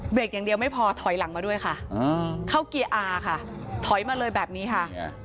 กอย่างเดียวไม่พอถอยหลังมาด้วยค่ะเข้าเกียร์อาค่ะถอยมาเลยแบบนี้ค่ะ